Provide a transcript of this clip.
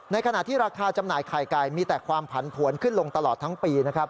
ในขณะที่ราคาจำหน่ายไก่มีแต่ความผันผวนขึ้นลงตลอดทั้งปี